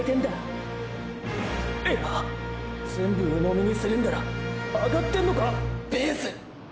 いや全部鵜呑みにするんならあがってんのか⁉ペース！！